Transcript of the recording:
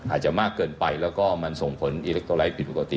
อาจจะมากเกินไปแล้วก็มันส่งผลอิเล็กโตไลท์ผิดปกติ